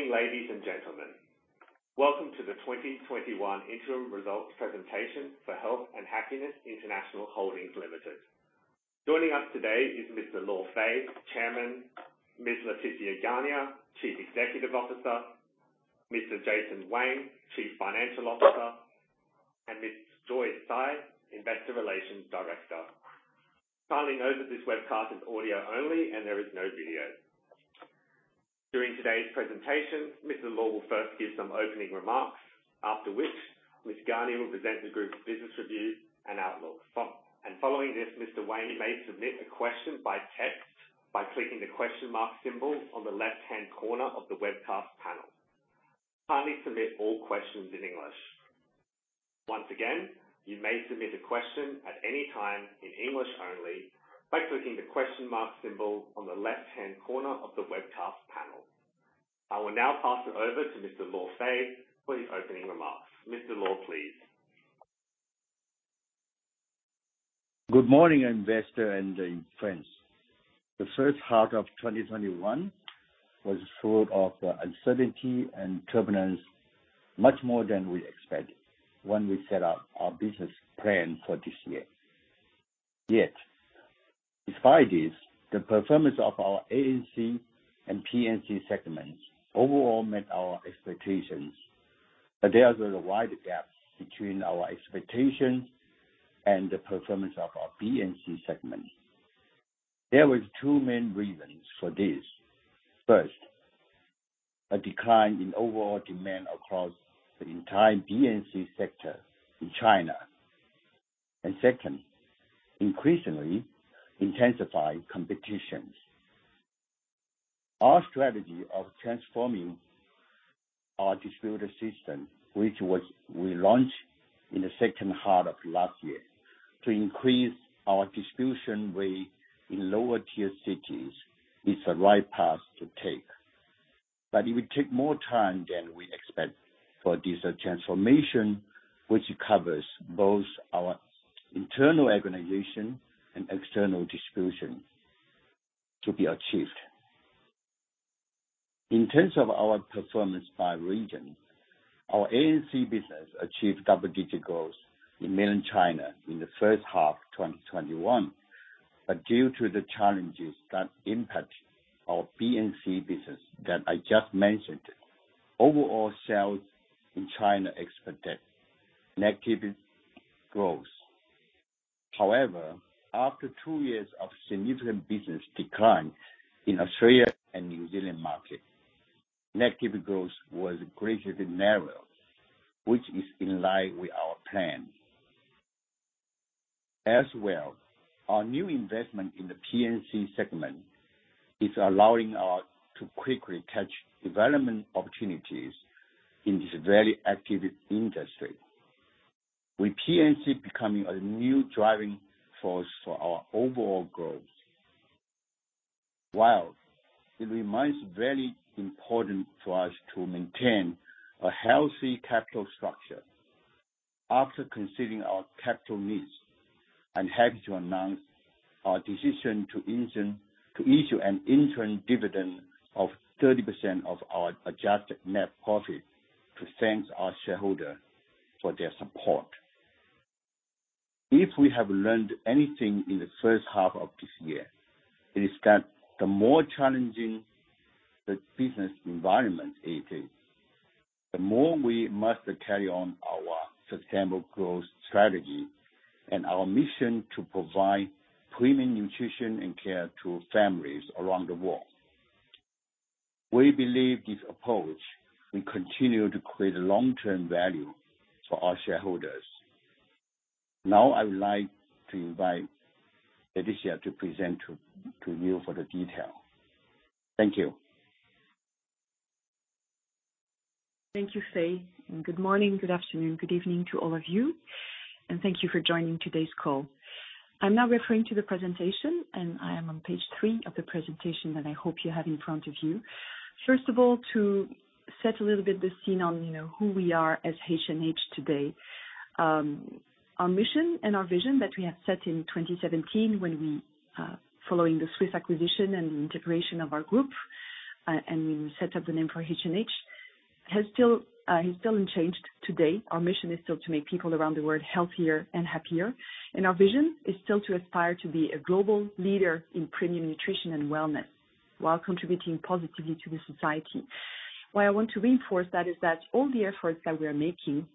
Morning, ladies and gentlemen. Welcome to the 2021 interim results presentation for Health and Happiness International Holdings Limited. Joining us today is Mr. Luo Fei, Chairman, Ms. Laetitia Garnier, Chief Executive Officer, Mr. Jason Wang, Chief Financial Officer, and Ms. Joy Tsai, Investor Relations Director. Kindly note that this webcast is audio only and there is no video. During today's presentation, Mr. Luo Fei will first give some opening remarks, after which Ms. Garnier will present the group's business review and outlook. Following this, you may submit a question by text by clicking the question mark symbol on the left-hand corner of the webcast panel. Kindly submit all questions in English. Once again, you may submit a question at any time in English only by clicking the question mark symbol on the left-hand corner of the webcast panel. I will now pass it over to Mr. Luo Fei for his opening remarks. Mr. Luo, please. Good morning, investor and friends. The first half of 2021 was full of uncertainty and turbulence, much more than we expected when we set up our business plan for this year. Yet, despite this, the performance of our ANC and PNC segments overall met our expectations. There was a wide gap between our expectations and the performance of our BNC segment. There were two main reasons for this. First, a decline in overall demand across the entire BNC sector in China. Second, increasingly intensified competitions. Our strategy of transforming our distributor system, which we launched in the second half of last year to increase our distribution weight in lower tier cities, is the right path to take. It will take more time than we expect for this transformation, which covers both our internal organization and external distribution to be achieved. In terms of our performance by region, our ANC business achieved double-digit growth in mainland China in the first half 2021. Due to the challenges that impact our BNC business that I just mentioned, overall sales in China expected negative growth. After two years of significant business decline in Australia and New Zealand market, negative growth was gradually narrowed, which is in line with our plan. Our new investment in the PNC segment is allowing us to quickly catch development opportunities in this very active industry, with PNC becoming a new driving force for our overall growth. It remains very important for us to maintain a healthy capital structure. After considering our capital needs, I'm happy to announce our decision to issue an interim dividend of 30% of our adjusted net profit to thank our shareholder for their support. If we have learned anything in the first half of this year, it is that the more challenging the business environment it is, the more we must carry on our sustainable growth strategy and our mission to provide premium nutrition and care to families around the world. We believe this approach will continue to create long-term value for our shareholders. Now, I would like to invite Laetitia to present to you for the detail. Thank you. Thank you, Fei, and good morning, good afternoon, good evening to all of you, and thank you for joining today's call. I'm now referring to the presentation, and I am on page three of the presentation that I hope you have in front of you. First of all, to set a little bit the scene on who we are as H&H today. Our mission and our vision that we have set in 2017 following the Swisse acquisition and integration of our group, and we set up the name for H&H, has still not changed today. Our mission is still to make people around the world healthier and happier, and our vision is still to aspire to be a global leader in premium nutrition and wellness while contributing positively to the society. Why I want to reinforce that is that all the efforts that we are making,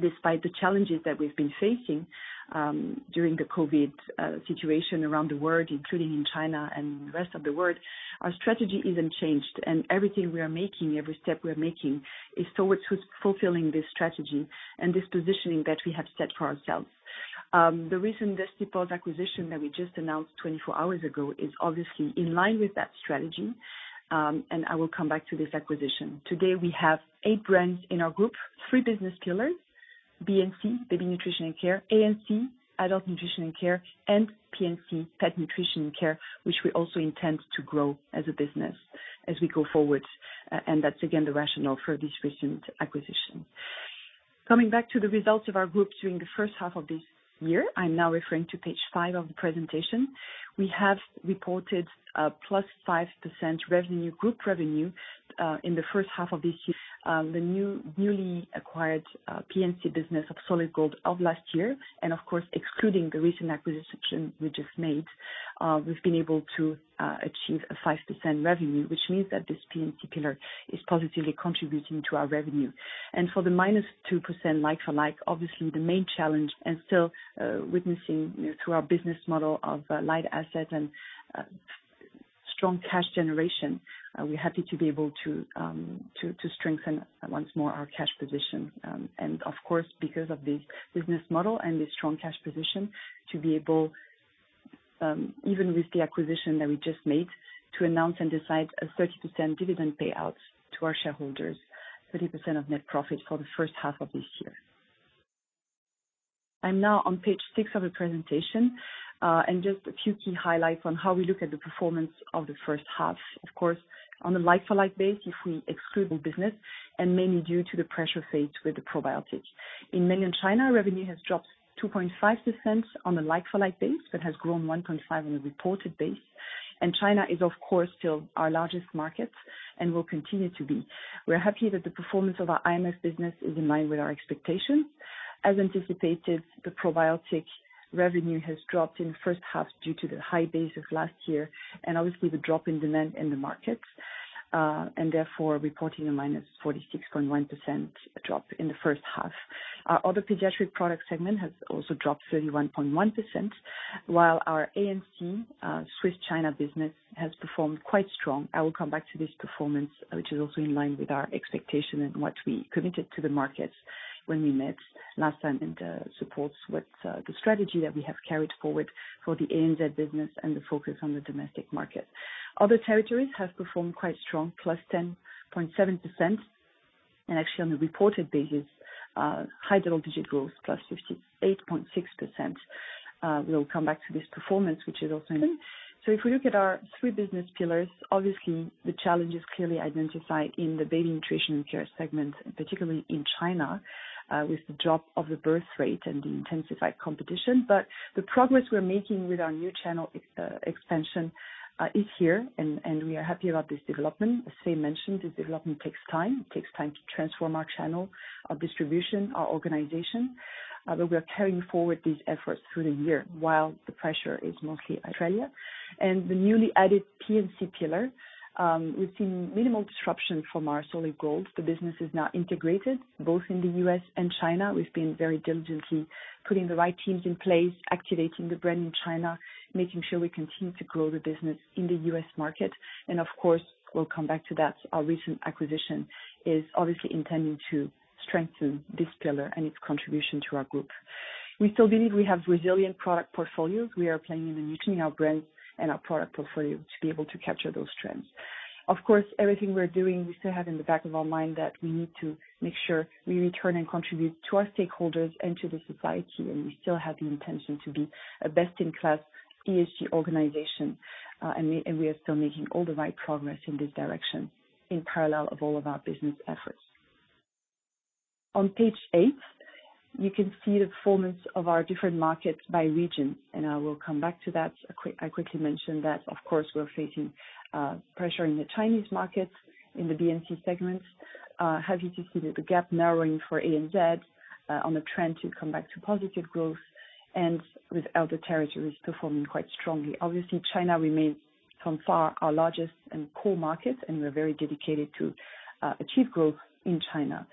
despite the challenges that we've been facing during the COVID situation around the world, including in China and the rest of the world, our strategy isn't changed. Everything we are making, every step we are making, is towards fulfilling this strategy and this positioning that we have set for ourselves. The recent Zesty Paws acquisition that we just announced 24 hours ago is obviously in line with that strategy, and I will come back to this acquisition. Today, we have eight brands in our group, three business pillars: BNC, Baby Nutrition and Care; ANC, Adult Nutrition and Care; and PNC, Pet Nutrition and Care, which we also intend to grow as a business as we go forward. That's again the rationale for this recent acquisition. Coming back to the results of our group during the first half of this year, I'm now referring to page five of the presentation. We have reported +5% group revenue in the first half of this year. The newly acquired PNC business of Solid Gold of last year, and of course, excluding the recent acquisition we just made, we've been able to achieve a 5% revenue, which means that this PNC pillar is positively contributing to our revenue. For the -2% like-for-like, obviously the main challenge, and still witnessing through our business model of light asset and strong cash generation, we're happy to be able to strengthen once more our cash position. Of course, because of this business model and this strong cash position, to be able, even with the acquisition that we just made, to announce and decide a 30% dividend payout to our shareholders, 30% of net profit for the first half of this year. I'm now on page six of the presentation, and just a few key highlights on how we look at the performance of the first half. Of course, on a like-for-like base, if we exclude the business and mainly due to the pressure faced with the probiotic. In Mainland China, revenue has dropped 2.5% on a like-for-like base but has grown 1.5% on a reported base. China is, of course, still our largest market and will continue to be. We are happy that the performance of our IMF business is in line with our expectations. As anticipated, the probiotic revenue has dropped in the first half due to the high base of last year and obviously the drop in demand in the market, therefore reporting a -46.1% drop in the first half. Our other pediatric product segment has also dropped 31.1%, while our ANC Swisse China business has performed quite strong. I will come back to this performance, which is also in line with our expectation and what we committed to the markets when we met last time, supports with the strategy that we have carried forward for the ANC business and the focus on the domestic market. Other territories have performed quite strong, +10.7%, actually on a reported basis, high double-digit growth, +58.6%. We'll come back to this performance, which is also. If we look at our three business pillars, obviously the challenge is clearly identified in the Baby Nutrition and Care segment, particularly in China, with the drop of the birth rate and the intensified competition. The progress we're making with our new channel expansion is here, and we are happy about this development. As I mentioned, this development takes time. It takes time to transform our channel, our distribution, our organization, we are carrying forward these efforts through the year while the pressure is mostly ANC. The newly added PNC pillar, we've seen minimal disruption from our Solid Gold. The business is now integrated both in the U.S. and China. We've been very diligently putting the right teams in place, activating the brand in China, making sure we continue to grow the business in the U.S. market, and of course, we'll come back to that. Our recent acquisition is obviously intending to strengthen this pillar and its contribution to our group. We still believe we have resilient product portfolios. We are planning on renewing our brand and our product portfolio to be able to capture those trends. Of course, everything we're doing, we still have in the back of our mind that we need to make sure we return and contribute to our stakeholders and to the society, and we still have the intention to be a best-in-class ESG organization. We are still making all the right progress in this direction in parallel of all of our business efforts. On page eight, you can see the performance of our different markets by region, and I will come back to that. I quickly mention that, of course, we're facing pressure in the Chinese market in the BNC segment. Happy to see that the gap narrowing for ANC on a trend to come back to positive growth and with other territories performing quite strongly. Obviously, China remains by far our largest and core market, and we're very dedicated to achieve growth in China.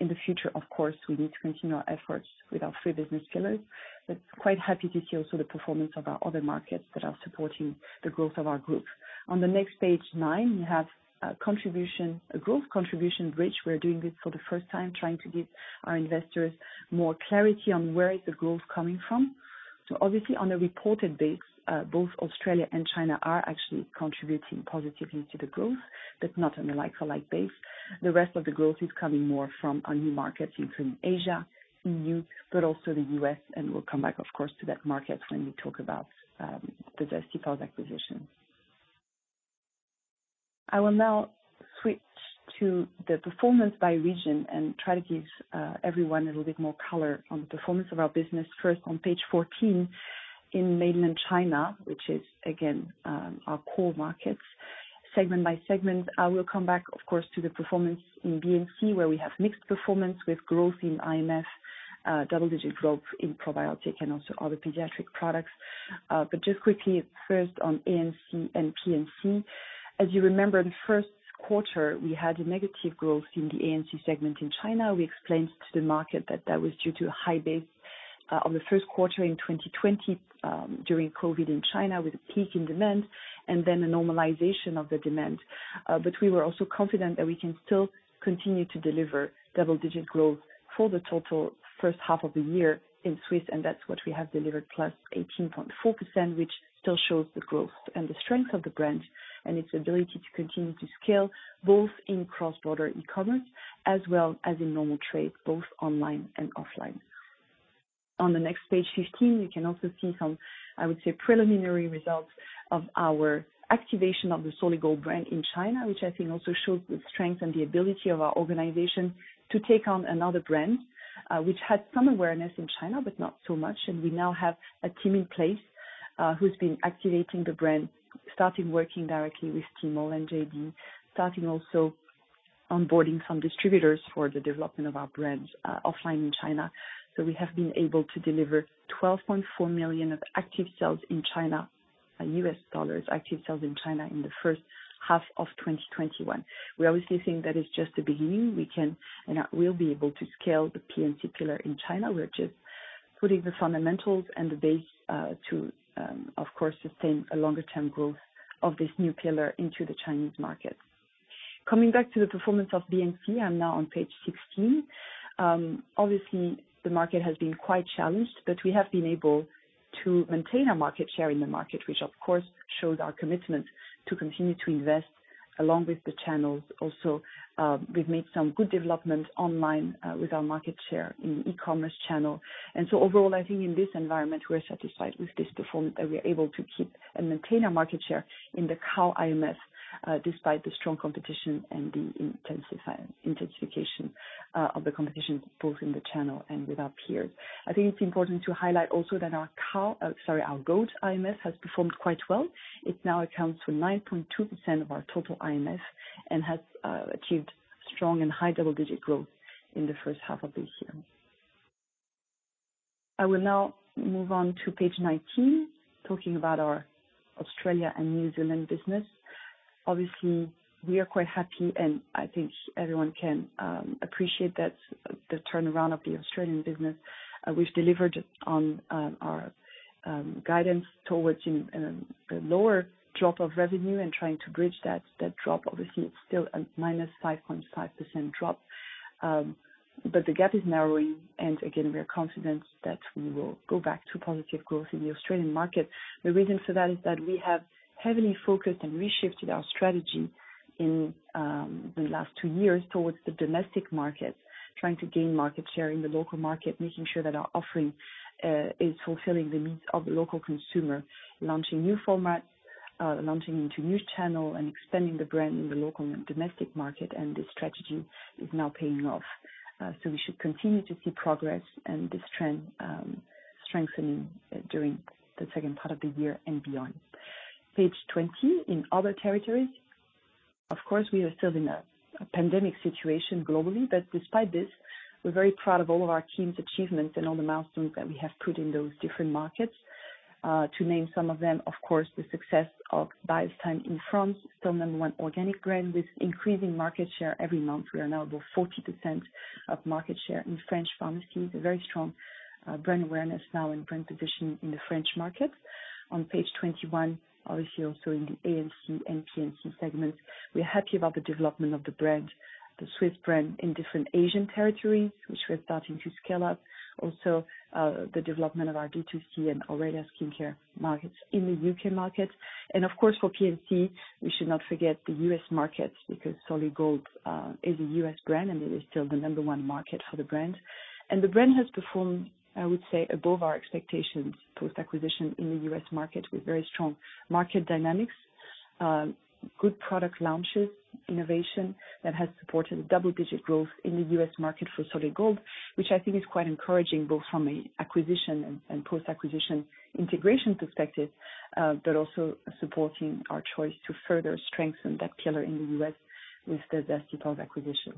In the future, of course, we need to continue our efforts with our three business pillars, but quite happy to see also the performance of our other markets that are supporting the growth of our group. On the next page, nine, we have a growth contribution bridge. We're doing this for the first time, trying to give our investors more clarity on where is the growth coming from. Obviously, on a reported base, both Australia and China are actually contributing positively to the growth, but not on a like-for-like base. The rest of the growth is coming more from our new markets, including Asia, EU, but also the U.S., and we'll come back, of course, to that market when we talk about the Zesty Paws acquisition. I will now switch to the performance by region and try to give everyone a little bit more color on the performance of our business. First on page 14, in mainland China, which is again our core market, segment by segment. I will come back, of course, to the performance in BNC, where we have mixed performance with growth in IMF, double-digit growth in probiotic, and also other pediatric products. Just quickly first on ANC and PNC. As you remember, in the first quarter, we had a negative growth in the ANC segment in China. We explained to the market that that was due to a high base on the first quarter in 2020 during COVID in China with a peak in demand and then a normalization of the demand. We were also confident that we can still continue to deliver double-digit growth for the total first half of the year in Swisse, and that's what we have delivered, plus 18.4%, which still shows the growth and the strength of the brand and its ability to continue to scale both in cross-border e-commerce as well as in normal trade, both online and offline. On the next page, 15, we can also see some, I would say, preliminary results of our activation of the Solid Gold brand in China, which I think also shows the strength and the ability of our organization to take on another brand, which had some awareness in China, but not so much. We now have a team in place who's been activating the brand, starting working directly with Tmall and JD.com, starting also onboarding some distributors for the development of our brands offline in China. We have been able to deliver $12.4 million of active sales in China, US dollars, active sales in China in the first half of 2021. We obviously think that is just the beginning. We can and will be able to scale the PNC pillar in China. We're just putting the fundamentals and the base to, of course, sustain a longer-term growth of this new pillar into the Chinese market. Coming back to the performance of BNC, I'm now on page 16. The market has been quite challenged, but we have been able to maintain our market share in the market, which of course shows our commitment to continue to invest along with the channels. We've made some good development online with our market share in e-commerce channel. Overall, I think in this environment, we're satisfied with this performance, that we're able to keep and maintain our market share in the cow IMF despite the strong competition and the intensification of the competition both in the channel and with our peers. I think it's important to highlight also that sorry, our goat IMF has performed quite well. It now accounts for 9.2% of our total IMF and has achieved strong and high double-digit growth in the first half of this year. I will now move on to page 19, talking about our Australia and New Zealand business. Obviously, we are quite happy and I think everyone can appreciate the turnaround of the Australian business. We've delivered on our guidance towards the lower drop of revenue and trying to bridge that drop. Obviously, it's still a -5.5% drop. The gap is narrowing, and again, we are confident that we will go back to positive growth in the Australian market. The reason for that is that we have heavily focused and reshifted our strategy in the last two years towards the domestic market, trying to gain market share in the local market, making sure that our offering is fulfilling the needs of the local consumer, launching new formats, launching into new channel, and extending the brand in the local and domestic market, and this strategy is now paying off. We should continue to see progress and this trend strengthening during the second part of the year and beyond. Page 20. In other territories, of course, we are still in a pandemic situation globally. Despite this, we're very proud of all of our team's achievements and all the milestones that we have put in those different markets. To name some of them, of course, the success of Biostime in France, still number one organic brand with increasing market share every month. We are now above 40% of market share in French pharmacies, a very strong brand awareness now and brand position in the French market. On page 21, obviously also in the ANC and PNC segments, we are happy about the development of the brand, the Swisse brand, in different Asian territories, which we're starting to scale up. Also, the development of our D2C and Aurelia skincare markets in the U.K. markets. Of course, for PNC, we should not forget the U.S. markets because Solid Gold is a U.S. brand, and it is still the number one market for the brand. The brand has performed, I would say, above our expectations post-acquisition in the U.S. market with very strong market dynamics, good product launches, innovation that has supported double-digit growth in the U.S. market for Solid Gold, which I think is quite encouraging, both from a acquisition and post-acquisition integration perspective, but also supporting our choice to further strengthen that pillar in the U.S. with the Zesty Paws acquisition.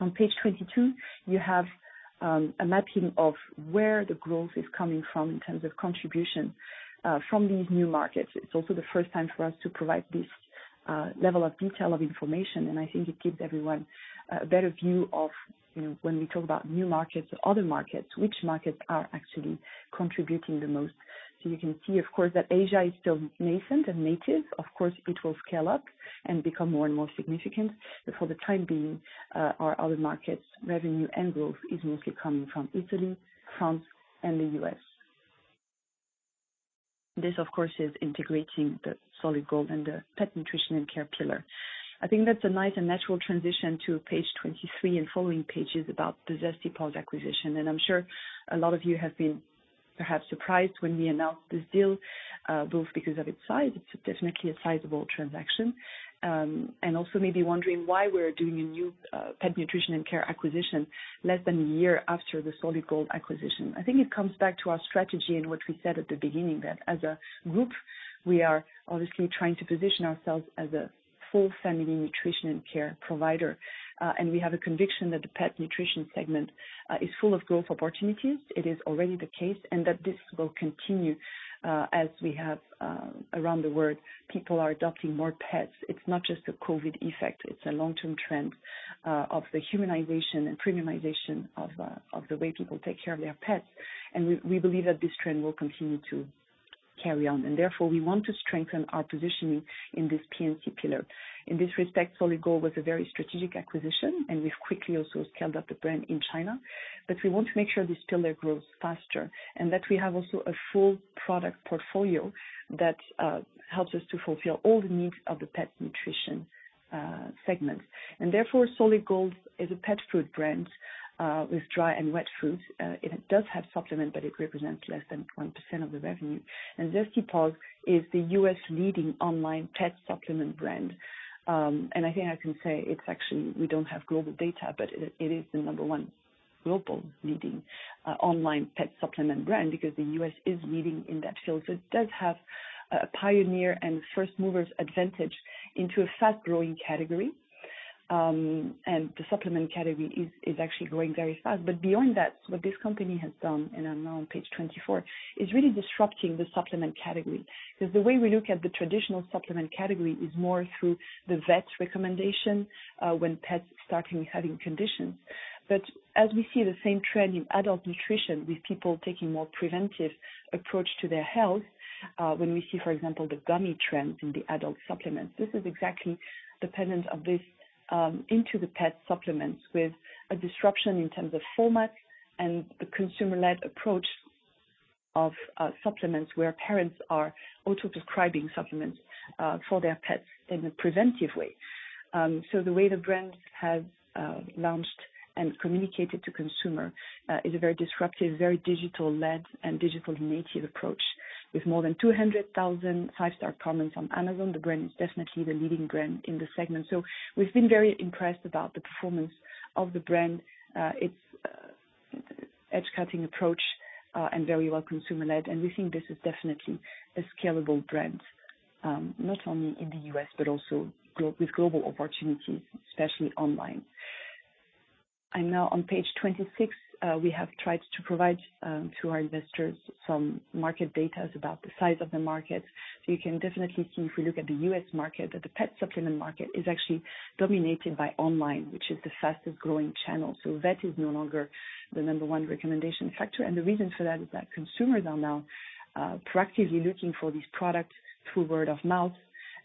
On page 22, you have a mapping of where the growth is coming from in terms of contribution from these new markets. It's also the first time for us to provide this level of detail of information, and I think it gives everyone a better view of when we talk about new markets or other markets, which markets are actually contributing the most. You can see, of course, that Asia is still nascent and native. Of course, it will scale up and become more and more significant. For the time being, our other markets revenue and growth is mostly coming from Italy, France, and the U.S. This, of course, is integrating the Solid Gold and the Pet Nutrition and Care pillar. I think that's a nice and natural transition to page 23 and following pages about the Zesty Paws acquisition. I'm sure a lot of you have been perhaps surprised when we announced this deal, both because of its size, it's definitely a sizable transaction, and also may be wondering why we're doing a new Pet Nutrition and Care acquisition less than one year after the Solid Gold acquisition. I think it comes back to our strategy and what we said at the beginning, that as a group, we are obviously trying to position ourselves as a full family nutrition and care provider. We have a conviction that the pet nutrition segment is full of growth opportunities. It is already the case, and that this will continue as we have around the world, people are adopting more pets. It's not just a COVID effect. It's a long-term trend of the humanization and premiumization of the way people take care of their pets, and we believe that this trend will continue to carry on. Therefore, we want to strengthen our positioning in this PNC pillar. In this respect, Solid Gold was a very strategic acquisition, and we've quickly also scaled up the brand in China. We want to make sure this pillar grows faster, and that we have also a full product portfolio that helps us to fulfill all the needs of the pet nutrition segment. Therefore, Solid Gold is a pet food brand with dry and wet foods. It does have supplement, but it represents less than 1% of the revenue. Zesty Paws is the U.S. leading online pet supplement brand. I think I can say it's actually, we don't have global data, but it is the number one global leading online pet supplement brand because the U.S. is leading in that field. It does have a pioneer and first movers advantage into a fast-growing category. The supplement category is actually growing very fast. Beyond that, what this company has done, and I'm now on page 24, is really disrupting the supplement category. Because the way we look at the traditional supplement category is more through the vet's recommendation when pets start having conditions. As we see the same trend in adult nutrition, with people taking more preventive approach to their health, when we see, for example, the gummy trends in the adult supplements, this is exactly dependent of this into the pet supplements with a disruption in terms of format and the consumer-led approach of supplements where parents are also prescribing supplements for their pets in a preventive way. The way the brand has launched and communicated to consumer is a very disruptive, very digital-led and digital native approach. With more than 200,000 five-star comments on Amazon, the brand is definitely the leading brand in the segment. We've been very impressed about the performance of the brand, its edge-cutting approach, and very well consumer-led, and we think this is definitely a scalable brand, not only in the U.S., but also with global opportunities, especially online. I'm now on page 26. We have tried to provide to our investors some market data about the size of the market. You can definitely see if we look at the U.S. market, that the pet supplement market is actually dominated by online, which is the fastest growing channel. Vet is no longer the number one recommendation factor, and the reason for that is that consumers are now proactively looking for these products through word of mouth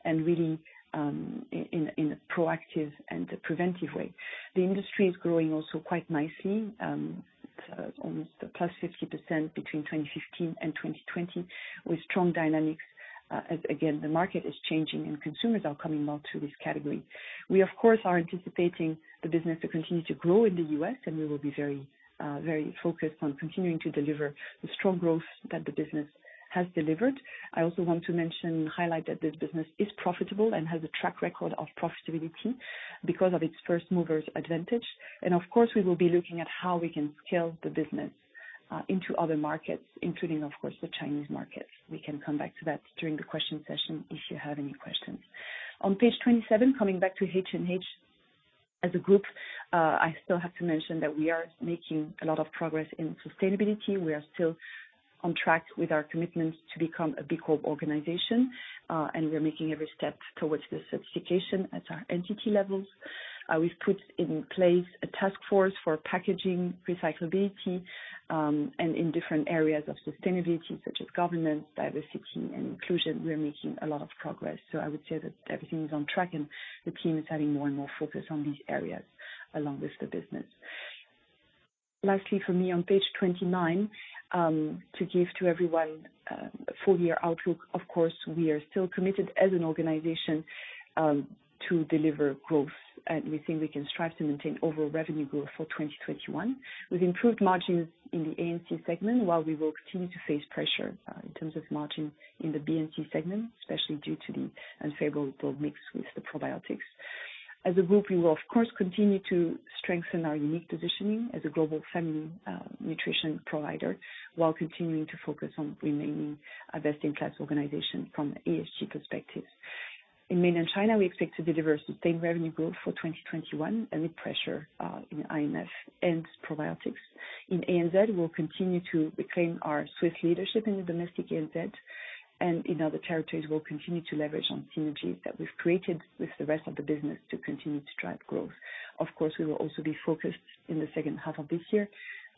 and really in a proactive and a preventive way. The industry is growing also quite nicely. It's almost a +50% between 2015 and 2020, with strong dynamics, as again, the market is changing and consumers are coming more to this category. We, of course, are anticipating the business to continue to grow in the U.S., and we will be very focused on continuing to deliver the strong growth that the business has delivered. I also want to mention, highlight that this business is profitable and has a track record of profitability because of its first mover's advantage. Of course, we will be looking at how we can scale the business into other markets, including, of course, the Chinese markets. We can come back to that during the question session if you have any questions. On page 27, coming back to H&H as a group, I still have to mention that we are making a lot of progress in sustainability. We are still on track with our commitments to become a B Corp organization, and we are making every step towards this certification at our entity levels. We've put in place a task force for packaging recyclability, and in different areas of sustainability, such as governance, diversity, and inclusion. We are making a lot of progress. I would say that everything is on track, and the team is having more and more focus on these areas along with the business. Lastly for me on page 29, to give to everyone a full year outlook. We are still committed as an organization to deliver growth, and we think we can strive to maintain overall revenue growth for 2021. With improved margins in the ANC segment, while we will continue to face pressure in terms of margin in the BNC segment, especially due to the unfavorable mix with the probiotics. As a group, we will of course, continue to strengthen our unique positioning as a global family nutrition provider while continuing to focus on remaining a best-in-class organization from ESG perspectives. In Mainland China, we expect to deliver sustained revenue growth for 2021 amid pressure in IMF and probiotics. In ANC, we'll continue to reclaim our Swisse leadership in the domestic ANC. In other territories, we'll continue to leverage on synergies that we've created with the rest of the business to continue to drive growth. Of course, we will also be focused in the second half of this year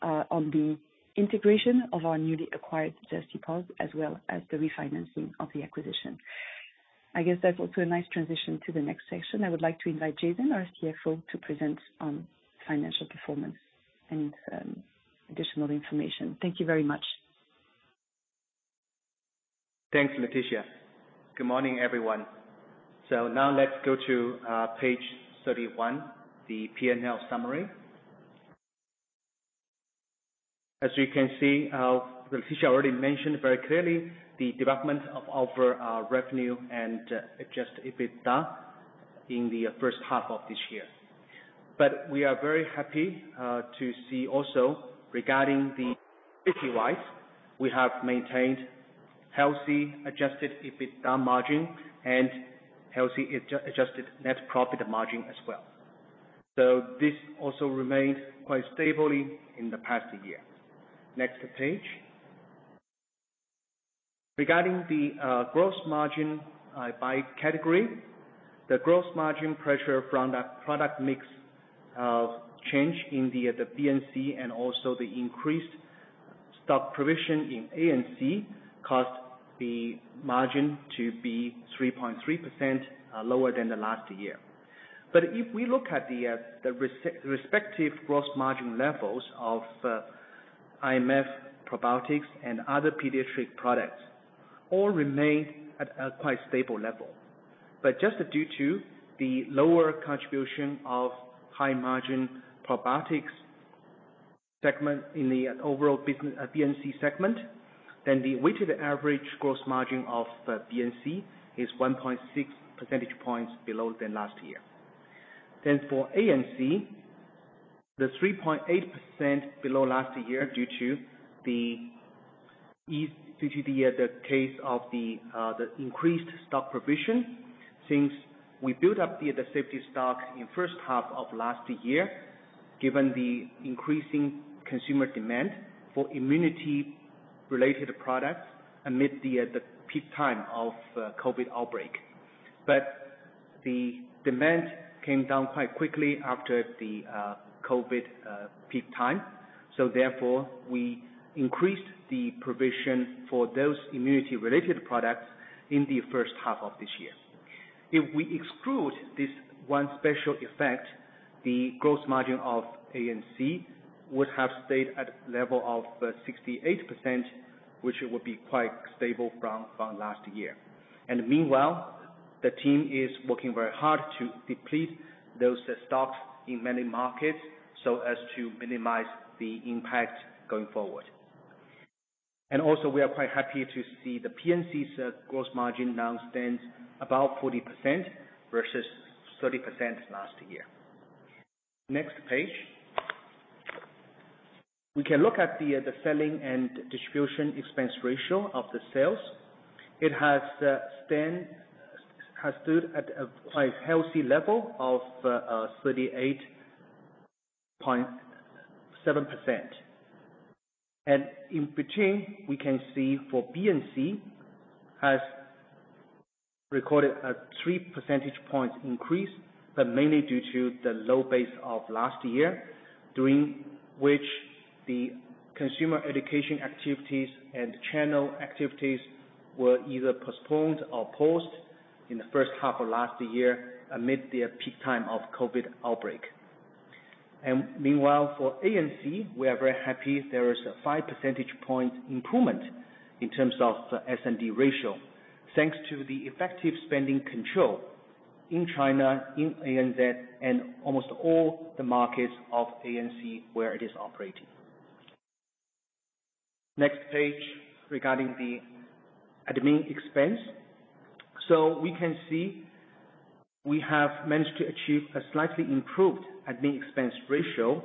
on the integration of our newly acquired Zesty Paws, as well as the refinancing of the acquisition. I guess that's also a nice transition to the next section. I would like to invite Jason, our CFO, to present on financial performance and additional information. Thank you very much. Thanks, Laetitia. Good morning, everyone. Now let's go to page 31, the P&L summary. As you can see, Laetitia already mentioned very clearly the development of our revenue and adjusted EBITDA in the first half of this year. We are very happy to see also regarding the wise, we have maintained healthy adjusted EBITDA margin and healthy adjusted net profit margin as well. This also remained quite stable in the past year. Next page. Regarding the gross margin by category, the gross margin pressure from the product mix of change in the BNC and also the increased stock provision in ANC caused the margin to be 3.3% lower than the last year. If we look at the respective gross margin levels of IMF probiotics and other pediatric products all remain at a quite stable level. Just due to the lower contribution of high-margin probiotics segment in the overall BNC segment, the weighted average gross margin of BNC is 1.6 percentage points below than last year. For ANC, the 3.8% below last year due to the CGMA, the case of the increased stock provision since we built up the safety stock in first half of last year, given the increasing consumer demand for immunity-related products amid the peak time of COVID outbreak. The demand came down quite quickly after the COVID peak time. Therefore, we increased the provision for those immunity-related products in the first half of this year. If we exclude this one special effect, the gross margin of ANC would have stayed at level of 68%, which would be quite stable from last year. Meanwhile, the team is working very hard to deplete those stocks in many markets so as to minimize the impact going forward. Also, we are quite happy to see the PNC's gross margin now stands about 40% versus 30% last year. Next page. We can look at the selling and distribution expense ratio of the sales. It has stood at a quite healthy level of 38.7%. In between, we can see for BNC has recorded a 3 percentage points increase, but mainly due to the low base of last year, during which the consumer education activities and channel activities were either postponed or paused in the first half of last year amid the peak time of COVID outbreak. Meanwhile, for ANC, we are very happy there is a 5 percentage points improvement in terms of the S&D ratio, thanks to the effective spending control in China, in ANZ and almost all the markets of ANC where it is operating. Next page regarding the admin expense. We can see we have managed to achieve a slightly improved admin expense ratio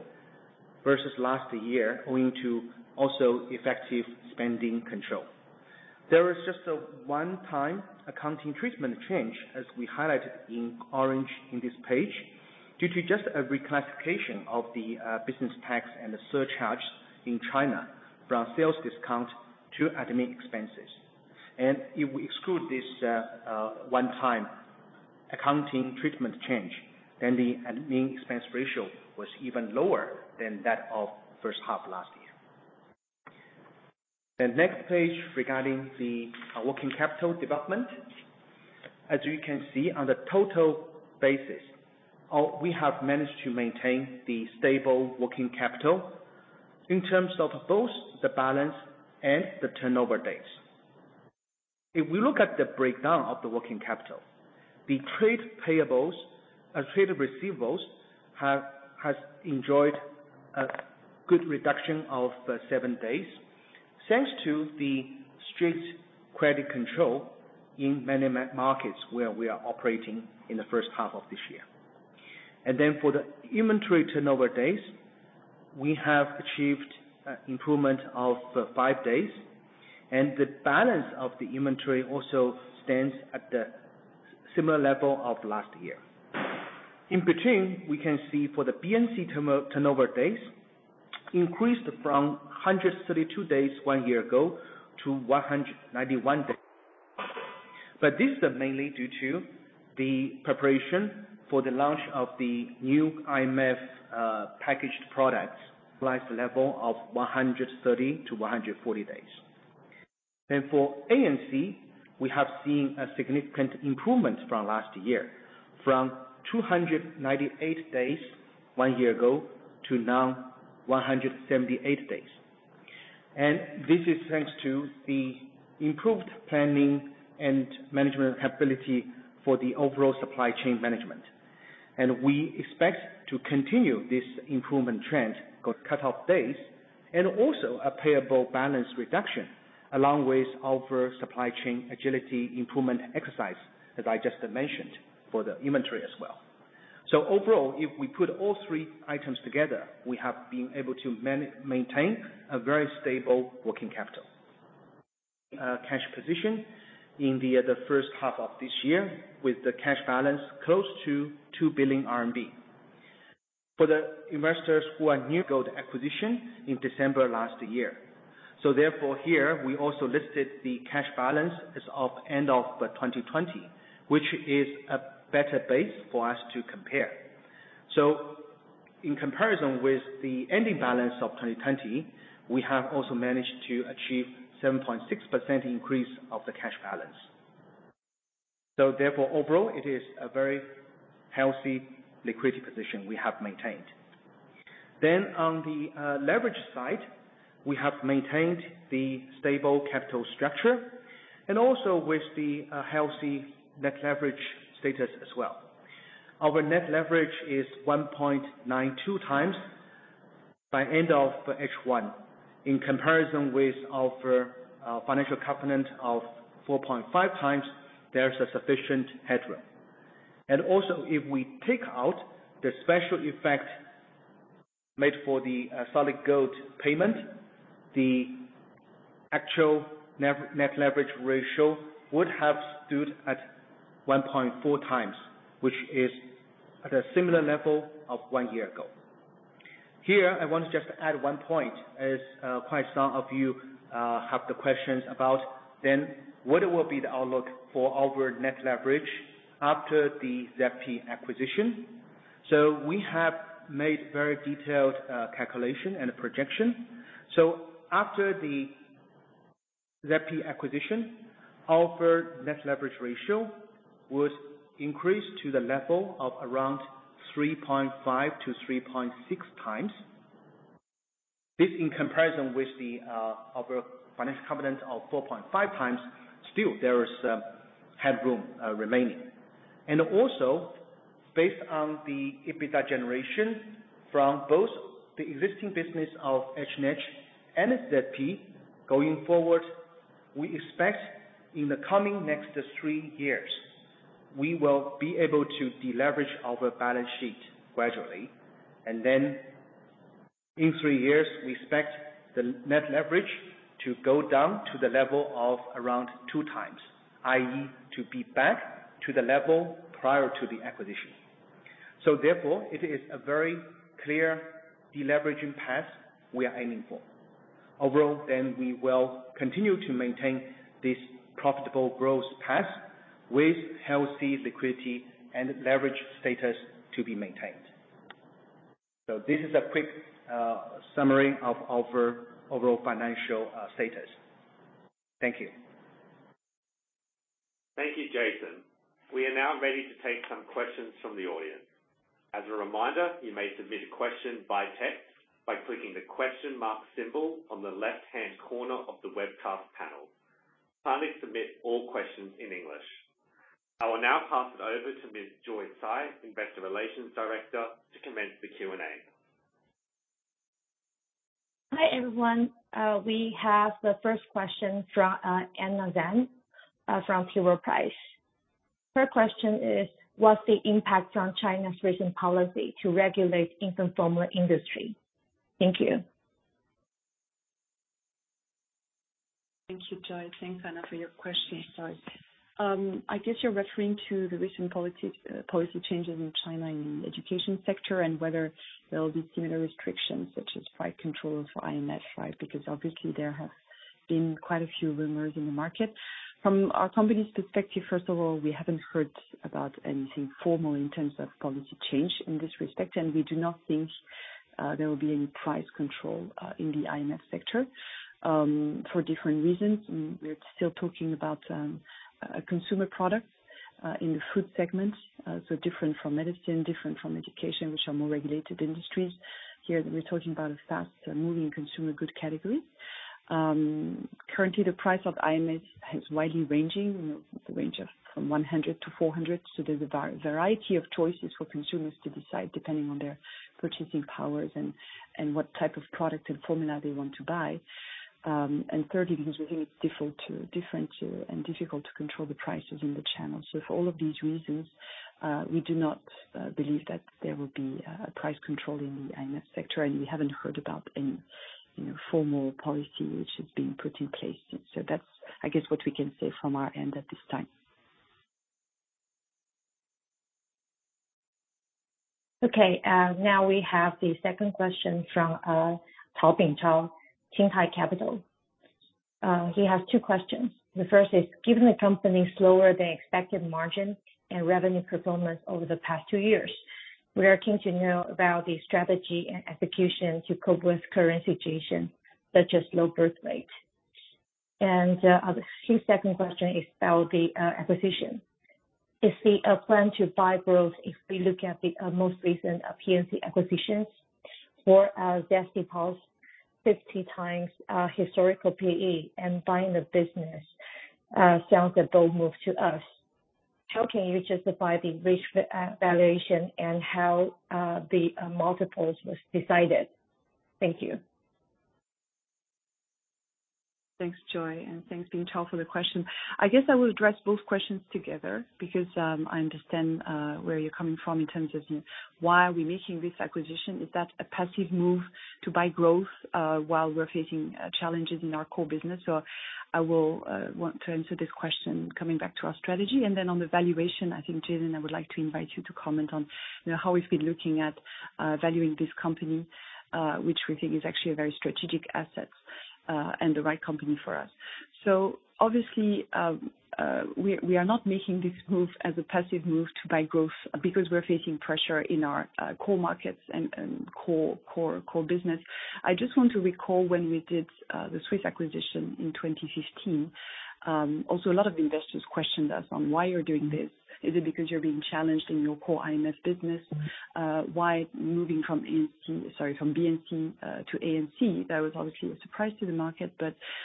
versus last year, owing to also effective spending control. There is just a one-time accounting treatment change, as we highlighted in orange in this page, due to just a reclassification of the business tax and the surcharges in China from sales discount to admin expenses. If we exclude this one-time accounting treatment change, then the admin expense ratio was even lower than that of first half last year. The next page regarding the working capital development. As you can see on the total basis, we have managed to maintain the stable working capital in terms of both the balance and the turnover dates. If we look at the breakdown of the working capital, the trade receivables has enjoyed a good reduction of seven days, thanks to the strict credit control in many markets where we are operating in the first half of this year. For the inventory turnover days, we have achieved improvement of five days, and the balance of the inventory also stands at the similar level of last year. In between, we can see for the BNC turnover days increased from 132 days one year ago to 191 days. This is mainly due to the preparation for the launch of the new IMF packaged products price level of 130 days -140 days. For ANC, we have seen a significant improvement from last year, from 298 days one year ago to now 178 days. This is thanks to the improved planning and management ability for the overall supply chain management. We expect to continue this improvement trend cut-off days and also a payable balance reduction along with our supply chain agility improvement exercise, as I just mentioned, for the inventory as well. Overall, if we put all three items together, we have been able to maintain a very stable working capital. Cash position in the first half of this year with the cash balance close to 2 billion RMB. For the investors who are new-- Solid Gold acquisition in December last year. Therefore, here we also listed the cash balance as of end of 2020, which is a better base for us to compare. In comparison with the ending balance of 2020, we have also managed to achieve 7.6% increase of the cash balance. Overall, it is a very healthy liquidity position we have maintained. On the leverage side, we have maintained the stable capital structure and also with the healthy net leverage status as well. Our net leverage is 1.92x by end of H1. In comparison with our financial covenant of 4.5x, there is a sufficient headroom. If we take out the special effect made for the Solid Gold payment, the actual net leverage ratio would have stood at 1.4x, which is at a similar level of one year ago. Here, I want to just add one point, as quite some of you have the questions about then what will be the outlook for our net leverage after the Zesty Paws acquisition. We have made very detailed calculation and projection. After the Zesty Paws acquisition, our net leverage ratio would increase to the level of around 3.5x-3.6x. This, in comparison with our financial covenant of 4.5x, still there is headroom remaining. Also, based on the EBITDA generation from both the existing business of H&H and Zesty Paws, going forward, we expect in the coming next three years, we will be able to deleverage our balance sheet gradually. Then in three years, we expect the net leverage to go down to the level of around 2x, i.e., to be back to the level prior to the acquisition. Therefore, it is a very clear deleveraging path we are aiming for. Overall, we will continue to maintain this profitable growth path with healthy liquidity and leverage status to be maintained. This is a quick summary of our overall financial status. Thank you. Thank you, Jason. We are now ready to take some questions from the audience. As a reminder, you may submit a question by text by clicking the question mark symbol on the left-hand corner of the webcast panel. Kindly submit all questions in English. I will now pass it over to Ms. Joy Tsai, Investor Relations Director, to commence the Q&A. Hi, everyone. We have the first question from Anna Zeng from Piper Jaffray. Her question is, "What's the impact on China's recent policy to regulate infant formula industry?" Thank you. Thank you, Joy. Thanks, Anna, for your question. Sorry. I guess you're referring to the recent policy changes in China in the education sector and whether there will be similar restrictions, such as price control for IMF, right? Obviously there have been quite a few rumors in the market. From our company's perspective, first of all, we haven't heard about anything formal in terms of policy change in this respect, and we do not think there will be any price control in the IMF sector for different reasons. We're still talking about consumer products in the food segment. Different from medicine, different from education, which are more regulated industries. Here, we're talking about a fast-moving consumer goods category. Currently, the price of IMFs has widely ranging, the range from 100 to 400. There's a variety of choices for consumers to decide, depending on their purchasing powers and what type of product and formula they want to buy. Thirdly, because we think it's different and difficult to control the prices in the channel. For all of these reasons, we do not believe that there will be price control in the IMF sector, and we haven't heard about any formal policy which has been put in place. That's, I guess, what we can say from our end at this time. Okay. We have the second question from Ting Hai Capital. He has two questions. The first is, "Given the company's slower than expected margin and revenue performance over the past two years, we are keen to know about the strategy and execution to cope with current situation, such as low birth rate." His second question is about the acquisition. "Is the plan to buy growth if we look at the most recent PNC acquisitions? For Zesty Paws 50x historical PE and buying the business sounds a bold move to us. How can you justify the rich valuation and how the multiples was decided?" Thank you. Thanks, Joy, and thanks to Ting Hai for the question. I guess I will address both questions together because I understand where you're coming from in terms of why are we making this acquisition. Is that a passive move to buy growth while we're facing challenges in our core business? I will want to answer this question coming back to our strategy. On the valuation, I think, Jason, I would like to invite you to comment on how we've been looking at valuing this company, which we think is actually a very strategic asset and the right company for us. Obviously, we are not making this move as a passive move to buy growth because we're facing pressure in our core markets and core business. I just want to recall when we did the Swisse acquisition in 2015. A lot of investors questioned us on why you're doing this. Is it because you're being challenged in your core IMF business? Why moving from BNC to ANC? That was obviously a surprise to the market.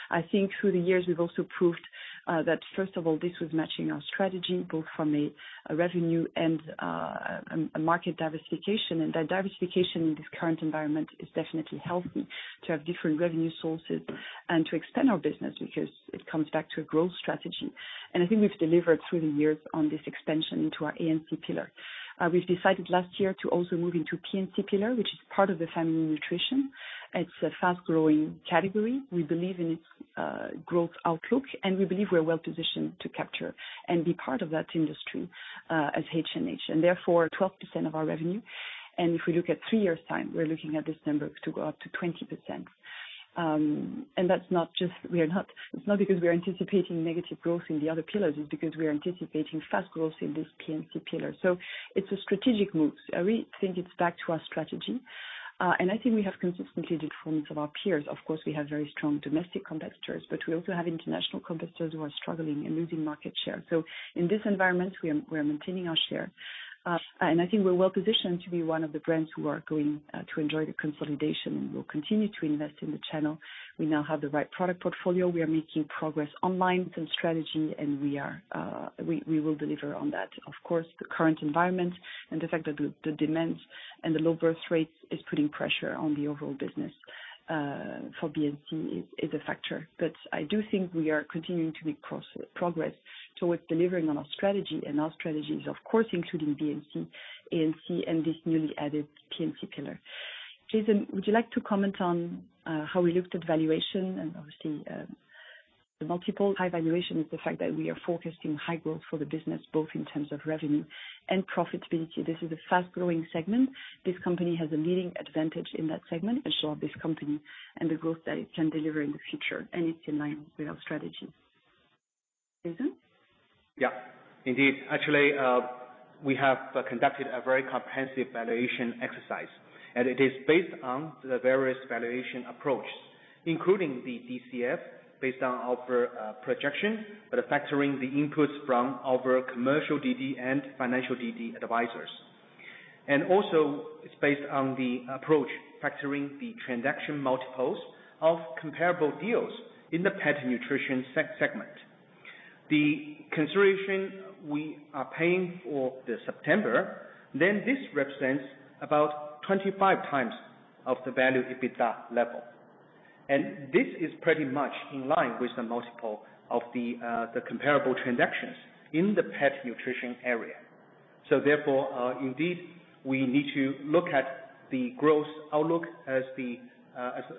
I think through the years, we've also proved that first of all, this was matching our strategy, both from a revenue and a market diversification. That diversification in this current environment is definitely healthy to have different revenue sources and to extend our business because it comes back to a growth strategy. I think we've delivered through the years on this extension into our ANC pillar. We've decided last year to also move into PNC pillar, which is part of the family nutrition. It's a fast-growing category. We believe in its growth outlook, and we believe we're well-positioned to capture and be part of that industry as H&H, and therefore, 12% of our revenue. If we look at three years' time, we're looking at this number to go up to 20%. It's not because we are anticipating negative growth in the other pillars, it's because we are anticipating fast growth in this PNC pillar. It's a strategic move. I really think it's back to our strategy. I think we have consistently good forms of our peers. Of course, we have very strong domestic competitors, but we also have international competitors who are struggling and losing market share. In this environment, we are maintaining our share. I think we're well-positioned to be one of the brands who are going to enjoy the consolidation, and we'll continue to invest in the channel. We now have the right product portfolio. We are making progress online with some strategy, and we will deliver on that. Of course, the current environment and the fact that the demands and the low birth rates is putting pressure on the overall business for BNC is a factor. I do think we are continuing to make progress towards delivering on our strategy, and our strategy is, of course, including BNC, ANC, and this newly added PNC pillar. Jason, would you like to comment on how we looked at valuation? Obviously, the multiple high valuation is the fact that we are forecasting high growth for the business, both in terms of revenue and profitability. This is a fast-growing segment. This company has a leading advantage in that segment. ensure this company and the growth that it can deliver in the future, and it's in line with our strategy. Jason? Yeah. Indeed. Actually, we have conducted a very comprehensive valuation exercise. It is based on the various valuation approach, including the DCF based on our projection, but factoring the inputs from our commercial DD and financial DD advisors. Also, it's based on the approach factoring the transaction multiples of comparable deals in the pet nutrition segment. The consideration we are paying for Zesty Paws, this represents about 25x of the value EBITDA level. This is pretty much in line with the multiple of the comparable transactions in the pet nutrition area. Therefore, indeed, we need to look at the growth outlook as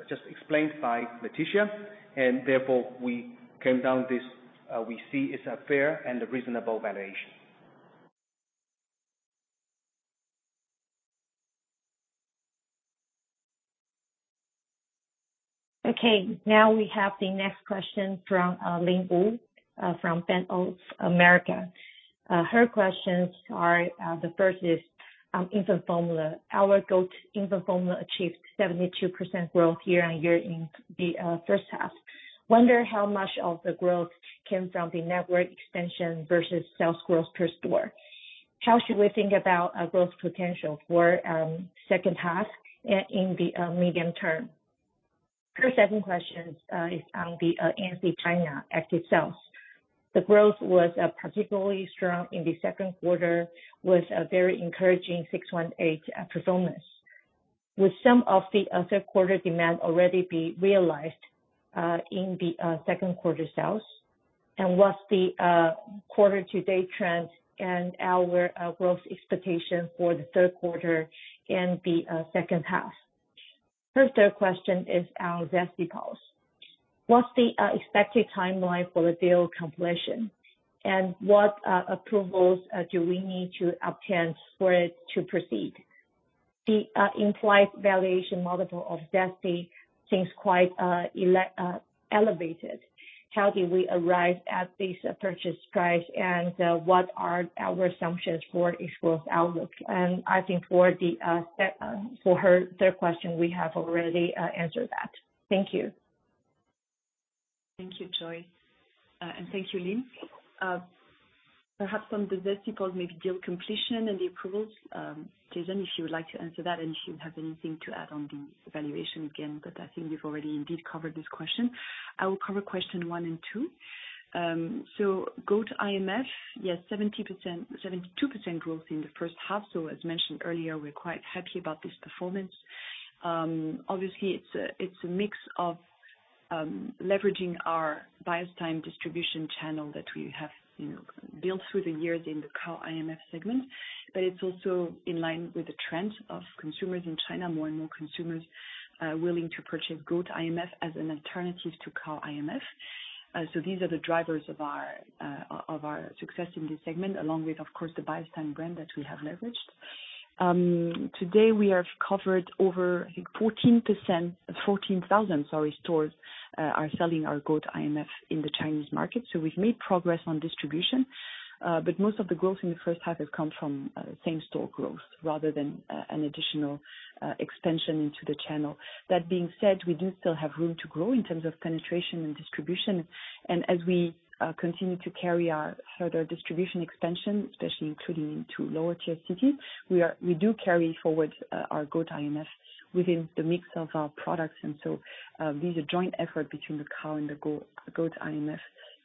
just explained by Laetitia, therefore we came down this, we see it's a fair and reasonable valuation. Okay. We have the next question from Lynn Wu from Bank of America. Her questions are, the first is infant formula. Our goat infant formula achieved 72% growth year-on-year in the first half. Wonder how much of the growth came from the network expansion versus sales growth per store? How should we think about growth potential for second half in the medium term? Her second question is on the ANC China active sales. The growth was particularly strong in the second quarter, with a very encouraging 618 performance. With some of the third quarter demand already be realized in the second quarter sales, what's the quarter-to-date trend and our growth expectation for the third quarter and the second half? Her third question is on Zesty Paws. What's the expected timeline for the deal completion? What approvals do we need to obtain for it to proceed? The implied valuation multiple of Zesty seems quite elevated. How did we arrive at this purchase price, and what are our assumptions for its growth outlook? I think for her third question, we have already answered that. Thank you. Thank you, Joy. Thank you, Lynn. Perhaps on the Zesty Paws maybe deal completion and the approvals, Jason, if you would like to answer that and if you have anything to add on the valuation again, but I think we've already indeed covered this question. I will cover question one and two. Goat IMF, yes, 72% growth in the first half. As mentioned earlier, we're quite happy about this performance. Obviously, it's a mix of leveraging our Biostime distribution channel that we have built through the years in the cow IMF segment. It's also in line with the trend of consumers in China, more and more consumers are willing to purchase goat IMF as an alternative to cow IMF. These are the drivers of our success in this segment, along with, of course, the Biostime brand that we have leveraged. Today, we have covered over 14,000 stores are selling our goat IMF in the Chinese market. We've made progress on distribution. Most of the growth in the first half has come from same-store growth rather than an additional expansion into the channel. That being said, we do still have room to grow in terms of penetration and distribution. As we continue to carry our further distribution expansion, especially including into lower tier cities, we do carry forward our goat IMF within the mix of our products. These are joint effort between the cow and the goat IMF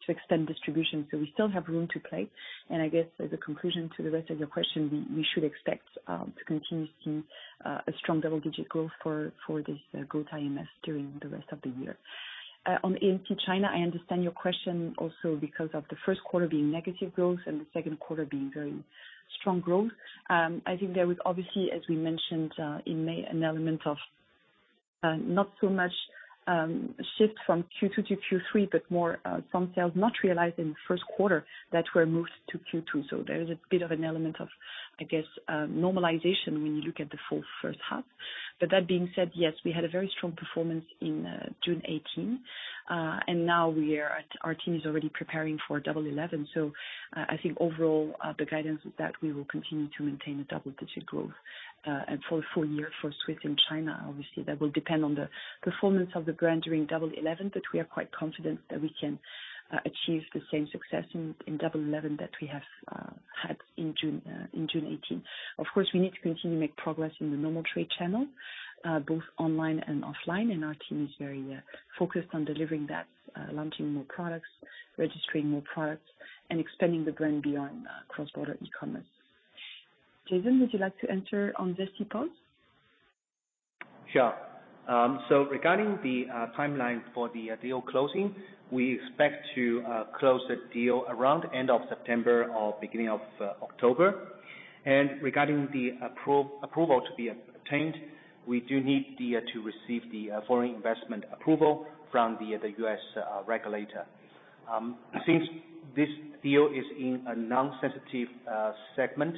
to extend distribution. We still have room to play. I guess as a conclusion to the rest of your question, we should expect to continue seeing a strong double-digit growth for this goat IMF during the rest of the year. On into China, I understand your question also because of the first quarter being negative growth and the second quarter being very strong growth. I think there is obviously, as we mentioned in May, an element of not so much shift from Q2 to Q3, but more from sales not realized in the first quarter that were moved to Q2. There is a bit of an element of, I guess, normalization when you look at the full first half. That being said, yes, we had a very strong performance in June 18. Now our team is already preparing for Double 11. I think overall, the guidance is that we will continue to maintain a double-digit growth for full year for Swisse in China. Obviously, that will depend on the performance of the brand during Double 11, but we are quite confident that we can achieve the same success in Double 11 that we have had in 618. Of course, we need to continue to make progress in the normal trade channel both online and offline. Our team is very focused on delivering that, launching more products, registering more products, and expanding the brand beyond cross-border e-commerce. Jason, would you like to answer on Zesty Paws? Sure. Regarding the timeline for the deal closing, we expect to close the deal around end of September or beginning of October. Regarding the approval to be obtained, we do need to receive the foreign investment approval from the U.S. regulator. Since this deal is in a non-sensitive segment,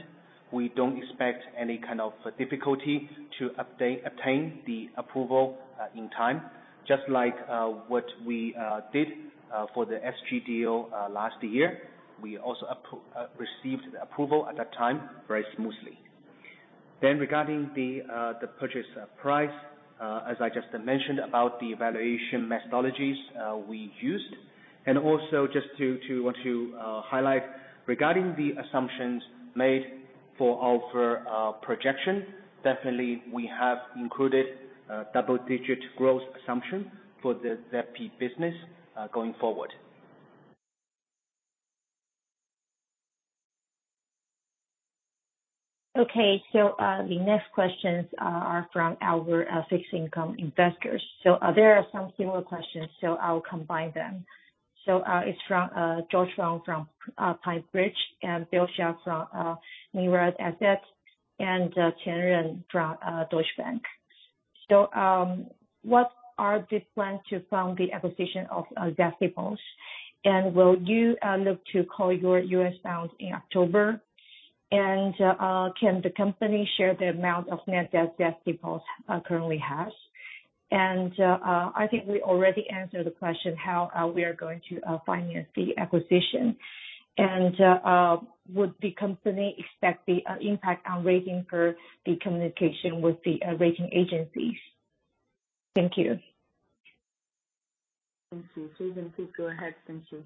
we don't expect any kind of difficulty to obtain the approval in time. Just like what we did for the SG deal last year. We also received the approval at that time very smoothly. Regarding the purchase price, as I just mentioned about the evaluation methodologies we used. Also just to want to highlight regarding the assumptions made for our projection, definitely we have included double-digit growth assumption for the ZP business going forward. The next questions are from our fixed income investors. There are some similar questions. I will combine them. It is from George Wong from PineBridge, Bill Shao from Mirae Asset, and Tian Ran from Deutsche Bank. What are the plans to fund the acquisition of Zesty Paws? Will you look to call your U.S. bonds in October? Can the company share the amount of net debt Zesty Paws currently has? I think we already answered the question how we are going to finance the acquisition. Would the company expect the impact on rating per the communication with the rating agencies? Thank you. Thank you. Jason, please go ahead. Thank you.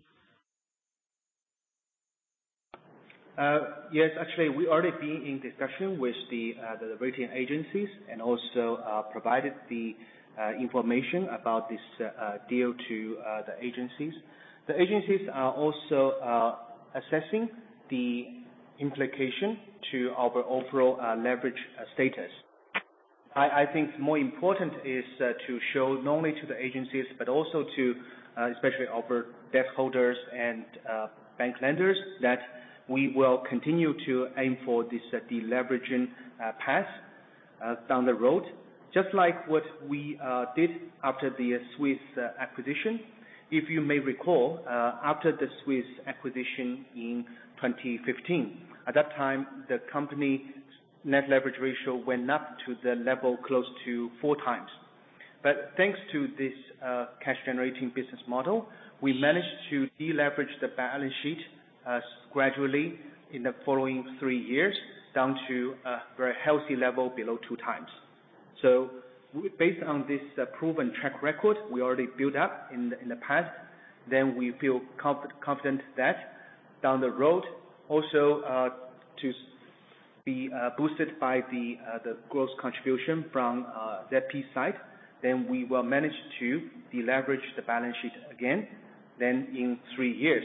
Yes. Actually, we already been in discussion with the rating agencies and also provided the information about this deal to the agencies. The agencies are also assessing the implication to our overall leverage status. I think more important is to show not only to the agencies but also to especially our debt holders and bank lenders that we will continue to aim for this de-leveraging path down the road. Just like what we did after the Swisse acquisition. If you may recall, after the Swisse acquisition in 2015. At that time, the company's net leverage ratio went up to the level close to 4x. Thanks to this cash-generating business model, we managed to de-leverage the balance sheet gradually in the following three years, down to a very healthy level below 2x. Based on this proven track record we already built up in the past, then we feel confident that down the road also to be boosted by the gross contribution from ZP side, then we will manage to de-leverage the balance sheet again. In three years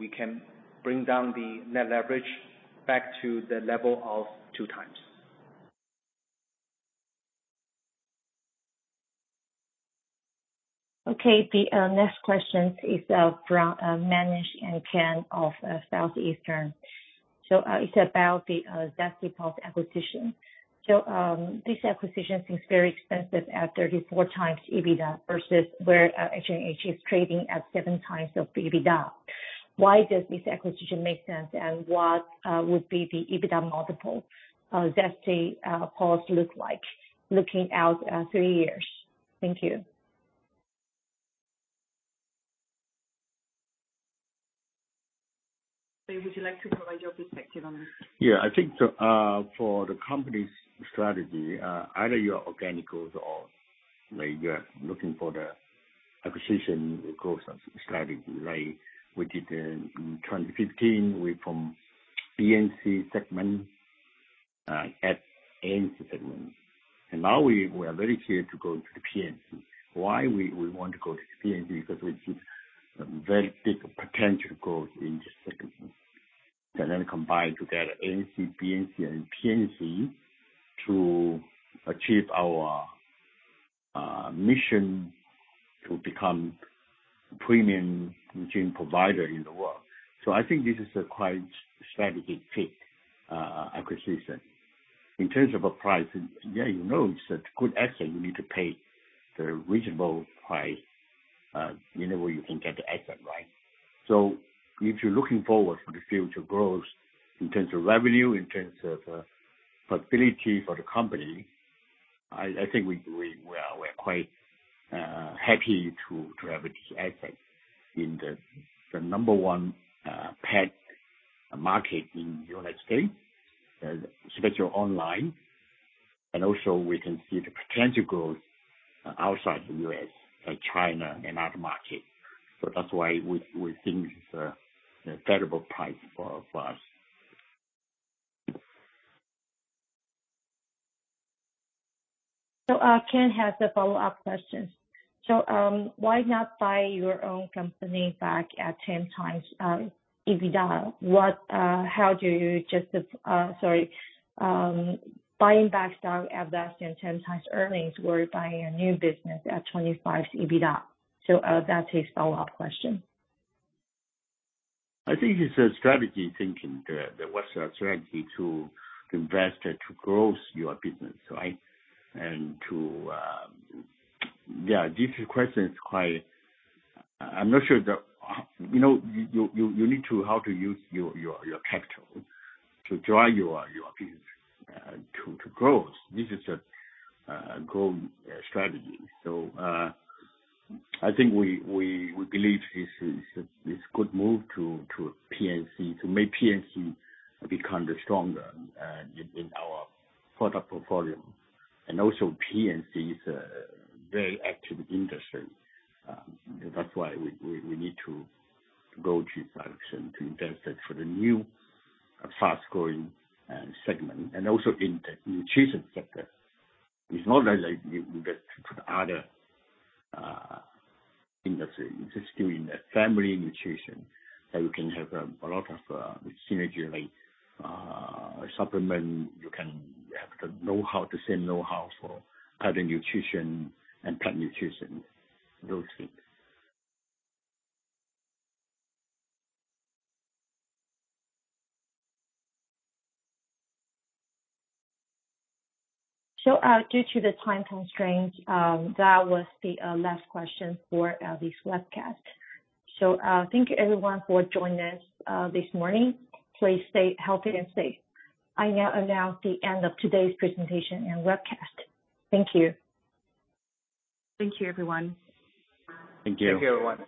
we can bring down the net leverage back to the level of two times. Okay. The next question is from Manish and Ken of Southeastern Asset Management. It's about the Zesty Paws acquisition. This acquisition seems very expensive at 34x EBITDA versus where H&H is trading at 7x of the EBITDA. Why does this acquisition make sense, and what would be the EBITDA multiple Zesty Paws look like looking out three years? Thank you. Would you like to provide your perspective on this? I think for the company's strategy, either your organic growth or you're looking for the acquisition growth strategy, like we did in 2015 with from BNC segment, ANC segment. Now we are very clear to go to the PNC. Why we want to go to the PNC? We see very big potential growth in this segment. Combine together ANC, BNC, and PNC to achieve our mission to become premium nutrient provider in the world. I think this is a quite strategic fit acquisition. In terms of a price, you know it's a good asset. You need to pay the reasonable price, in a way you can get the asset, right? If you're looking forward for the future growth in terms of revenue, in terms of profitability for the company, I think we're quite happy to have this asset in the number one pet market in the U.S., especially online. Also we can see the potential growth outside the U.S., like China and other market. That's why we think it's a favorable price for us. Ken has a follow-up question. Why not buy your own company back at 10x EBITDA? Sorry. Buying back stock at less than 10x earnings or buying a new business at 25x EBITDA. That's his follow-up question. I think it's a strategy thinking. What's our strategy to invest and to grow your business, right? Yeah, this question is quite You need to use your capital to drive your business to grow. This is a growth strategy. I think we believe this could move to PNC, to make PNC become stronger in our product portfolio. Also PNC is a very active industry. That's why we need to go to pet health and to invest that for the new fast-growing segment. Also in the nutrition sector. It's not like to put other industry. It's still in the family nutrition. You can have a lot of synergy like supplement. You can have the know-how, the same know-how for other nutrition and pet nutrition, those things. Due to the time constraints, that was the last question for this webcast. Thank you everyone for joining us this morning. Please stay healthy and safe. I now announce the end of today's presentation and webcast. Thank you. Thank you, everyone. Thank you. Thank you, everyone.